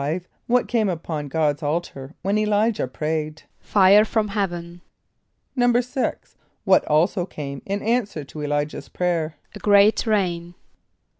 = What came upon God's altar when [+E] l[=i]´jah prayed? =Fire from heaven.= =6.= What also came in answer to [+E] l[=i]´jah's prayer? =A great rain.